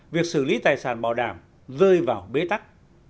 việc xử lý tài sản bảo đảm rơi vào bế tắc